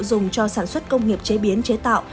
dùng cho sản xuất công nghiệp chế biến chế tạo